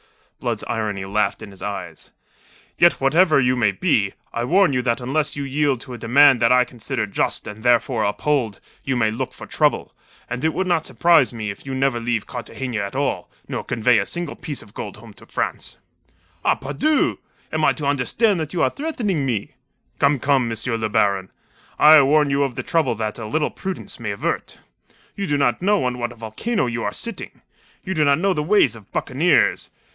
Blood's irony laughed in his eyes. "Yet, whatever you may be, I warn you that unless you yield to a demand that I consider just and therefore uphold, you may look for trouble, and it would not surprise me if you never leave Cartagena at all, nor convey a single gold piece home to France." "Ah, pardieu! Am I to understand that you are threatening me?" "Come, come, M. le Baron! I warn you of the trouble that a little prudence may avert. You do not know on what a volcano you are sitting. You do not know the ways of buccaneers.